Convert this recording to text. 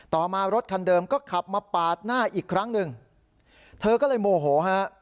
มารถคันเดิมก็ขับมาปาดหน้าอีกครั้งหนึ่งเธอก็เลยโมโหฮะ